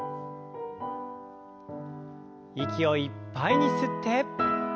息をいっぱいに吸って。